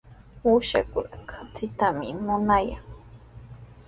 Uushakuna katritami munayan.